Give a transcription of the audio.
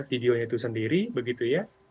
videonya itu sendiri begitu ya